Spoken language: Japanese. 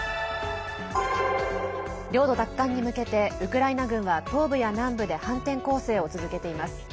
領土奪還に向けてウクライナ軍は東部や南部で反転攻勢を続けています。